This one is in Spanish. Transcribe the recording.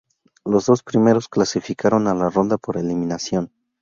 Los dos primeros clasificaron a la ronda por eliminación.